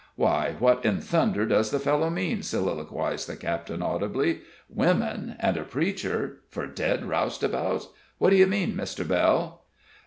"Why, what in thunder does the fellow mean?" soliloquized the captain, audibly. "Women and a preacher for dead roustabouts? What do you mean, Mr. Bell?"